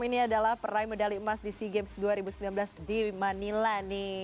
ini adalah peraih medali emas di sea games dua ribu sembilan belas di manila nih